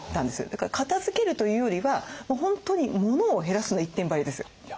だから片づけるというよりは本当にモノを減らすの一点張りです。